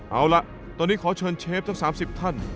เอาล่ะตอนนี้ขอเชิญเชฟทั้ง๓๐ท่าน